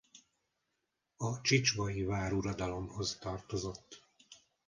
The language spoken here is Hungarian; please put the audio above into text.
A csicsvai váruradalomhoz tartozott.